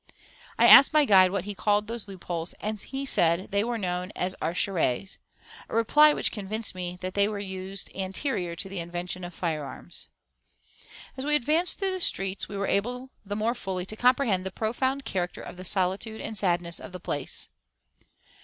I asked my guide what he called these loop holes, and he said they were known as archères a reply which convinced me that they were used anterior to the invention of firearms. As we advanced through the streets we were able the more fully to comprehend the profound character of the solitude and sadness of the place.